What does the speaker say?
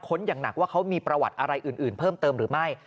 อย่างหนักว่าเขามีประวัติอะไรอื่นเพิ่มเติมหรือไม่